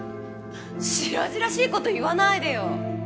白々しい事言わないでよ！